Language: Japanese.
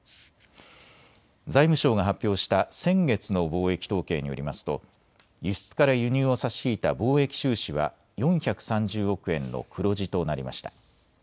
財務省が発表した先月の貿易統計によりますと輸出から輸入を差し引いた貿易収支は４３０億円の黒字となりました。